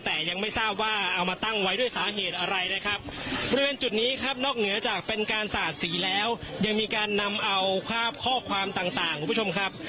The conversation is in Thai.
แต่ยังไม่ทราบว่าเอามาตั้งไว้ด้วยสาเหตุอะไรนะครับบริเวณจุดนี้ครับนอกเหนือจากเป็นการสาดสีแล้วยังมีการนำเอาภาพข้อความต่างคุณผู้ชมครับ